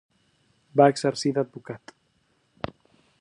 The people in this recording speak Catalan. Va exercir d'advocat.